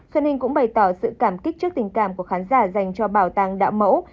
xuân ninh cũng bày tỏ sự cảm kích trước tình cảm của khán giả dành cho bảo tàng đạo mẫu